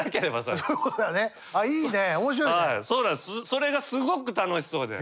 それがすごく楽しそうで。